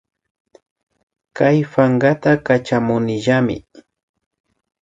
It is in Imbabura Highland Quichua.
Kayta pankata Kachamunillami